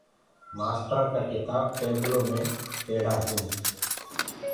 مآسترآنٚ ڪآ ڪِتآب ٽيبلو مينٚ پيڙآ هينٚ۔